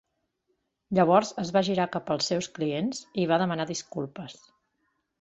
"Llavors es va girar cap als seus clients i va demanar disculpes."